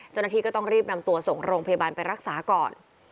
เจ้าหน้าที่ก็ต้องรีบนำตัวส่งโรงพยาบาลไปรักษาก่อน